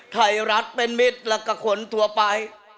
ไทยรัฐเป็นมิตรและกะขนตัวไป